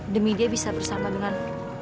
demi dia bisa bersama dengan